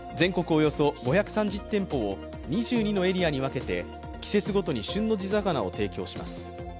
およそ５３０店舗を２２のエリアに分けて季節ごとに旬の地魚を提供します。